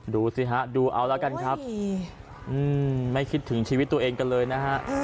ดูสิฮะดูเอาแล้วกันครับไม่คิดถึงชีวิตตัวเองกันเลยนะฮะ